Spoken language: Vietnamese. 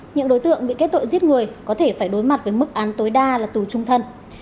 những đối tượng bị kết tội giết người có thể phải đối mặt với mức án tối đa là tù trung thân